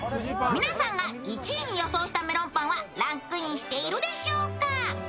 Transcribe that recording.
皆さんが１位に予想したメロンパンはランクインしているでしょうか？